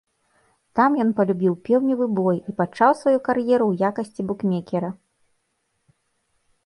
Там ён палюбіў пеўневы бой і пачаў сваю кар'еру ў якасці букмекера.